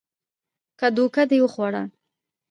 که دوکه دې وخوړه